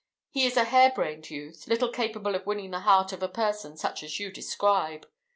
He is a hair brained youth, little capable of winning the heart of a person such as you describe.